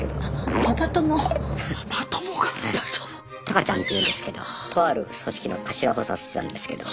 タカちゃんっていうんですけどとある組織の頭補佐してたんですけど。